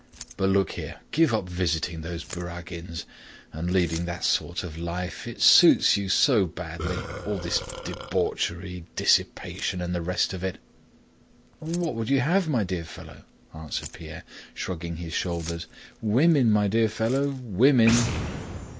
But look here: give up visiting those Kurágins and leading that sort of life. It suits you so badly—all this debauchery, dissipation, and the rest of it!" "What would you have, my dear fellow?" answered Pierre, shrugging his shoulders. "Women, my dear fellow; women!"